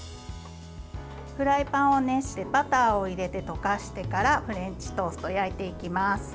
フライパンを熱してバターを入れて溶かしてからフレンチトーストを焼いていきます。